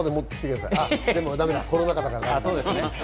だめだコロナ禍だから。